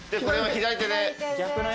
左手で。